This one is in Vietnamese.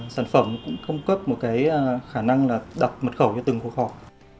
sản phẩm cũng cung cấp một khả năng là đặt mật khẩu cho từng cuộc họp